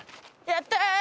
やったー！